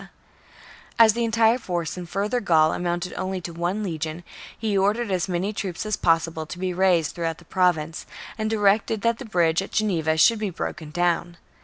march As the entire force in Further Gaul amounted only Province: to oue Icglon, hc ordcrcd as many troops as zing reply, possible to bc raised throughout the Province, and directed that the bridge at Geneva should be broken down.